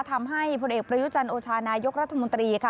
ผลเอกประยุจันทร์โอชานายกรัฐมนตรีค่ะ